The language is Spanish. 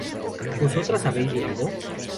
¿vosotras habréis bebido?